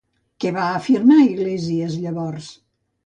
Què va afirmar Iglesias llavors?